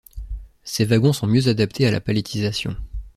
Ces wagons sont mieux adaptés à la palettisation.